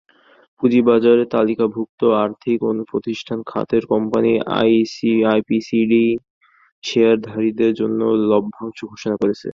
পুঁজিবাজারে তালিকাভুক্ত আর্থিক প্রতিষ্ঠান খাতের কোম্পানি আইপিডিসি শেয়ারধারীদের জন্য লভ্যাংশ ঘোষণা করেছে।